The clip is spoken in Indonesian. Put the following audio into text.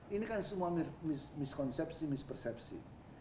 ini kan semua miskonsepsi mispersepsi